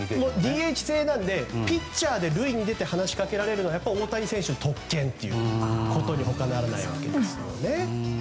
ＤＨ制なのでピッチャーで塁に出て話しかけられるのは大谷選手の特権ということに他ならないわけですね。